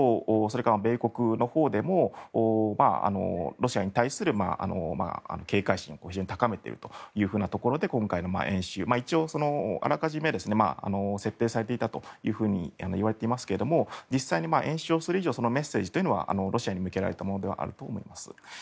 米国のほうでもロシアに対する警戒心を非常に高めているということで今回の演習一応あらかじめ設定されていたといわれていますが実際に演習をする以上メッセージというのはロシアに向けられたものであるとは思います。